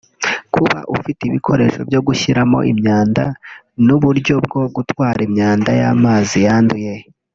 kuba ufite ibikoresho byo gushyiramo imyanda n’ uburyo bwo gutwara imyanda y’ amazi yanduye